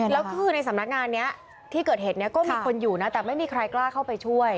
แล้วคือในสำนักงานนี้ที่เกิดเหตุนี้ก็มีคนอยู่นะแต่ไม่มีใครกล้าเข้าไปช่วย